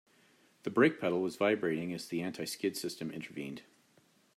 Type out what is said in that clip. The brake pedal was vibrating as the anti-skid system intervened.